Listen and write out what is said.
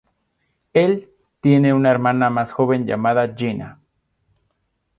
Él tiene una hermana más joven llamada Jenna.